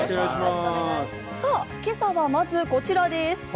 今朝はまずこちらです。